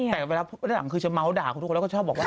แต่เวลาหลังคือจะเมาส์ด่าคุณทุกคนแล้วก็ชอบบอกว่า